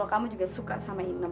kamu juga suka sama inem